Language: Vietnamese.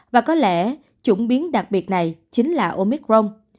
và có lẽ chuyển biến đặc biệt này chính là omicron